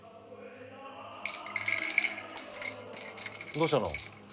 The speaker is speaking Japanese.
どうしたの？